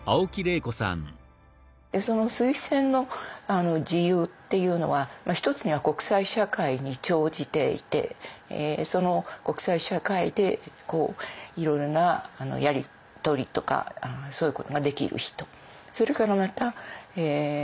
その推薦の理由っていうのは一つには国際社会に長じていてその国際社会でいろいろなやり取りとかそういうことができる人。